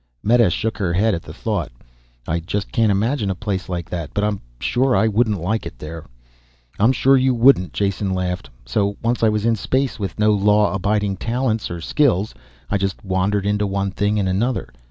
Meta shook her head at the thought. "I just can't imagine a place like that. But I'm sure I wouldn't like it there." "I'm sure you wouldn't," Jason laughed. "So once I was in space, with no law abiding talents or skills, I just wandered into one thing and another.